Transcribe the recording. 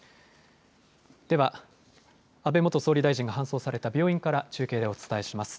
では、安倍元総理大臣が搬送された病院から中継でお伝えします。